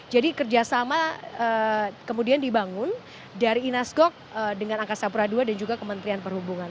jadi kerjasama kemudian dibangun dari inas gok dengan angkasa pura dua dan juga kementerian perhubungan